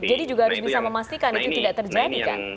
juga harus bisa memastikan itu tidak terjadi kan